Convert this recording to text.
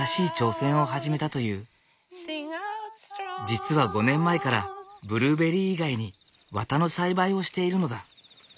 実は５年前からブルーベリー以外に綿の栽培をしているのだ。